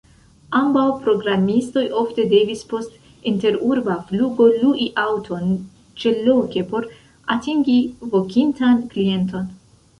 Ambaŭ programistoj ofte devis post interurba flugo lui aŭton ĉeloke por atingi vokintan klienton.